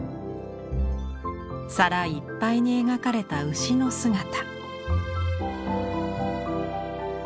皿いっぱいに描かれた牛の姿。